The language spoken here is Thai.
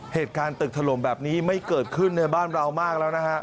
เหตุการณ์ตึกถล่มแบบนี้ไม่เกิดขึ้นในบ้านเรามากแล้วนะฮะ